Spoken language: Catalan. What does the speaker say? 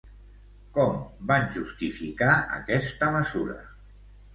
Com van justificar aquesta mesura?